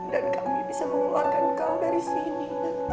dan kami bisa mengeluarkan kau dari sini